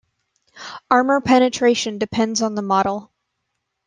Armour penetration depends on the model.